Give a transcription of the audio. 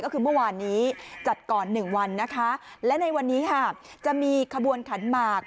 ก็คือเมื่อวานนี้จัดก่อนหนึ่งวันนะคะและในวันนี้ค่ะจะมีขบวนขันหมาก